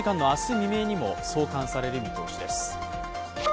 未明にも送還される見通しです。